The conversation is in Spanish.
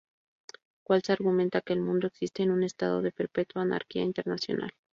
Waltz argumenta que el mundo existe en un estado de perpetua anarquía internacional.